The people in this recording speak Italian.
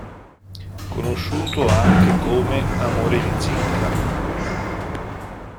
Conosciuto anche come Amore di zingara.